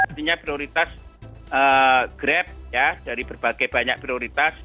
artinya prioritas grab ya dari berbagai banyak prioritas